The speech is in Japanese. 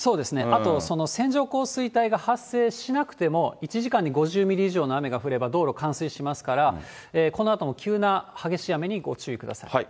あと、線状降水帯が発生しなくても、１時間に５０ミリ以上の雨が降れば道路冠水しますから、このあとも急な激しい雨にご注意ください。